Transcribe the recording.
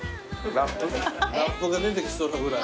ラップが出てきそうなぐらい。